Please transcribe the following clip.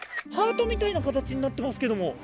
ハートみたいな形になってますけども。